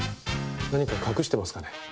何か隠してますかね？